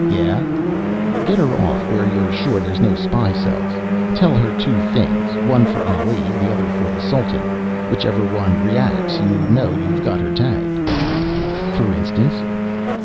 "Yeah?" "Get her off where you're sure there's no spy cells. Tell her two things one for Ali, the other for the Sultan. Whichever one reacts you know you've got her tagged." "For instance?"